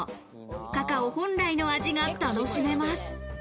カカオ本来の味が楽しめます。